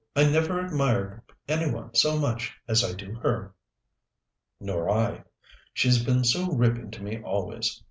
"I never admired any one so much as I do her." "Nor I. She's been so ripping to me always.